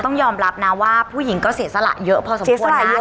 ต้องยอมรับนะว่าผู้หญิงก็เสียสละเยอะพอสมมตินะเสียสละเยอะนะ